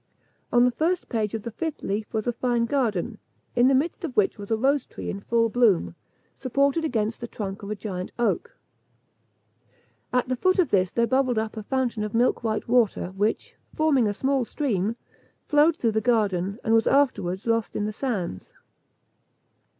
On the first page of the fifth leaf was a fine garden, in the midst of which was a rose tree in full bloom, supported against the trunk of a gigantic oak. At the foot of this there bubbled up a fountain of milk white water, which, forming a small stream, flowed through the garden, and was afterwards lost in the sands.